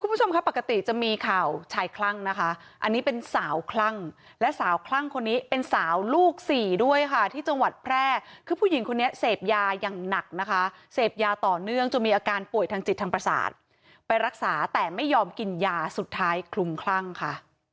คุณผู้ชมครับปกติจะมีข่าวชายคลั่งนะคะอันนี้เป็นสาวคลั่งและสาวคลั่งคนนี้เป็นสาวลูกสี่ด้วยค่ะที่จังหวัดแพร่คือผู้หญิงคนนี้เสพยาอย่างหนักนะคะเสพยาต่อเนื่องจนมีอาการป่วยทางจิตทางประสาทไปรักษาแต่ไม่ยอมกินยาสุดท้ายคลุมคลั่งค่ะ